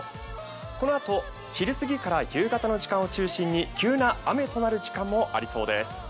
このあと昼過ぎから夕方の時間を中心に急な雨となる予報です。